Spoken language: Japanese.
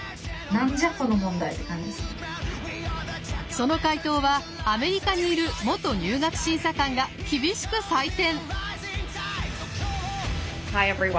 その解答はアメリカにいる元入学審査官が厳しく採点！